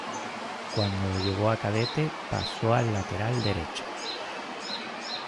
Cuando llegó a cadete paso al lateral derecho.